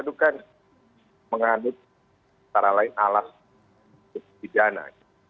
itu kan mengadu secara lain alas hidup pidana